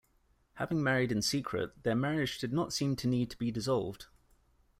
Having married in secret, their marriage did not seem to need to be dissolved.